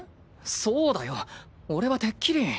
そうだよ。俺はてっきり。